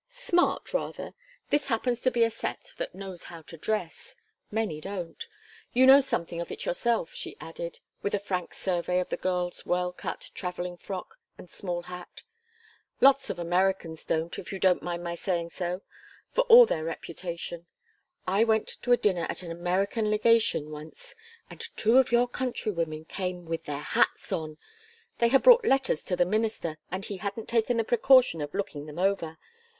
"Smart, rather. This happens to be a set that knows how to dress. Many don't. You know something of it yourself," she added, with a frank survey of the girl's well cut travelling frock and small hat. "Lots of Americans don't, if you don't mind my saying so for all their reputation. I went to a dinner at an American Legation once and two of your countrywomen came with their hats on. They had brought letters to the Minister, and he hadn't taken the precaution of looking them over.